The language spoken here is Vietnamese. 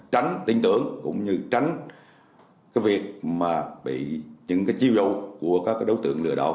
tránh tin tưởng cũng như tránh cái việc mà bị những cái chiêu dụ của các đối tượng lừa đảo